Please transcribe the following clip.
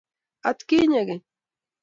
atkinye keny